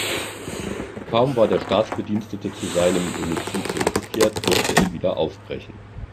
Kaum war der Staatsbedienstete zu seinem Domizil zurückgekehrt, musste er wieder aufbrechen.